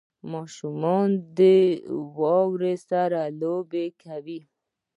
• ماشومان د واورې سره لوبې کوي.